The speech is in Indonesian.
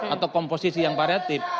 atau komposisi yang variatif